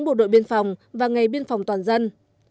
bộ đội biên phòng và ngày biên phòng toàn dân